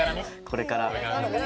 これから。